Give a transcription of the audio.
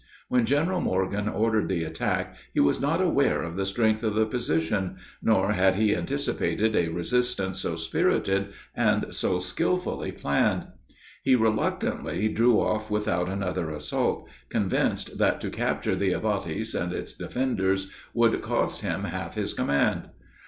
When General Morgan ordered the attack he was not aware of the strength of the position; nor had he anticipated a resistance so spirited and so skilfully planned. He reluctantly drew off without another assault, convinced that to capture the abatis and its defenders would cost him half his command.